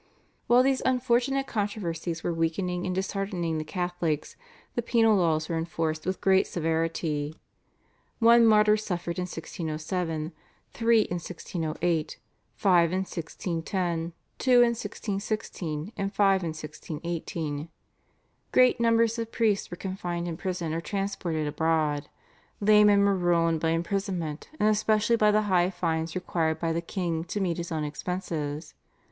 While these unfortunate controversies were weakening and disheartening the Catholics the penal laws were enforced with great severity. One martyr suffered in 1607, three in 1608, five in 1610, two in 1616, and five in 1618. Great numbers of priests were confined in prison or transported abroad. Laymen were ruined by imprisonment, and especially by the high fines required by the king to meet his own expenses.